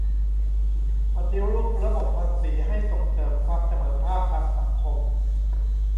ปฏิรูประบบภาษีให้ส่งเสริมความเสมอภาคทางสังคม